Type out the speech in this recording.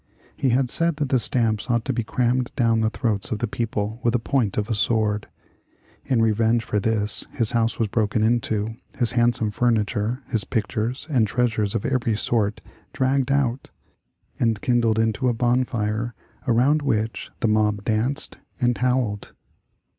He had said that the stamps ought to be crammed down the throats of the people with the point of a sword. In revenge for this his house was broken into, his handsome furniture, his pictures and treasures of every sort dragged out, and kindled into a bonfire around which the mob danced and howled.